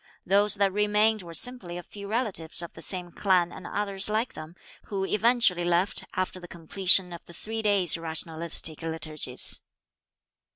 Those that remained were simply a few relatives of the same clan and others like them, who eventually left after the completion of the three days' rationalistic liturgies.